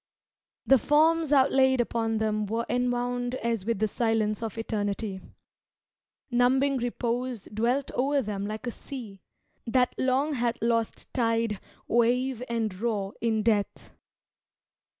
The forms outlaid upon them were enwound As with the silence of eternity. Numbing repose dwelt o'er them like a sea, That long hath lost tide, wave and roar, in death.